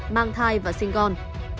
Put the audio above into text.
mang thai và sinh con